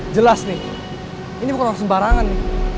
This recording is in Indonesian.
jelas nih ini bukan orang sembarangan